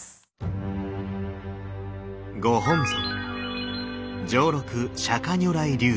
ご本尊